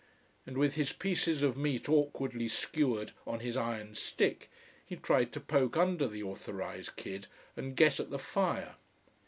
And with his pieces of meat awkwardly skewered on his iron stick he tried to poke under the authorised kid and get at the fire.